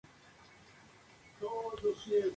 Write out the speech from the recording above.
El barrio de La Paz nació a mitad de los años cuarenta.